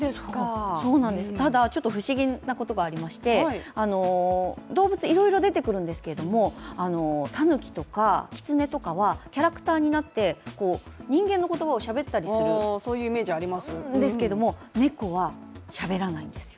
ただ、不思議なことがありまして動物、いろいろ出てくるんですけれどもたぬきとか、きつねとかは、キャラクターになって人間の言葉をしゃべったりするんですけども猫は、しゃべらないんですよ。